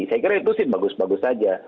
saya kira itu sih bagus bagus saja